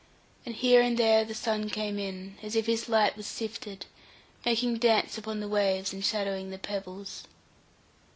And here and there the sun came in, as if his light was sifted, making dance upon the waves, and shadowing the pebbles.